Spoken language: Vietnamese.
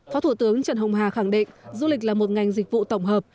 phó thủ tướng trần hồng hà khẳng định du lịch là một ngành dịch vụ tổng hợp